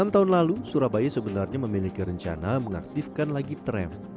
enam tahun lalu surabaya sebenarnya memiliki rencana mengaktifkan lagi tram